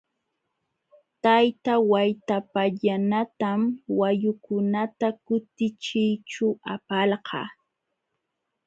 Tayta Waytapallanatam wayukunata kutichiyćhu apalqaa.